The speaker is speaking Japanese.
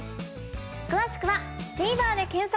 詳しくは「ＴＶｅｒ」で検索。